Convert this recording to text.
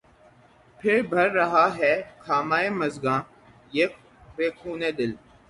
پهر بهر رہا ہے خامہ مژگاں، بہ خونِ دل